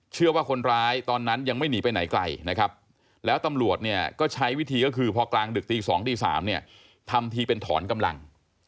เชื่อว่าคนร้ายตอนนั้นยังไม่หนีไปไหนไกลนะครับแล้วตำรวจเนี่ยก็ใช้วิธีก็คือพอกลางดึกตี๒ตี๓เนี่ยทำทีเป็นถอนกำลัง